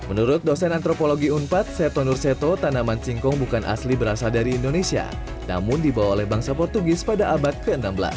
menurut dosen antropologi unpad seto nurseto tanaman singkong bukan asli berasal dari indonesia namun dibawa oleh bangsa portugis pada abad ke enam belas